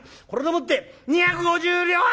これでもって２５０両！」。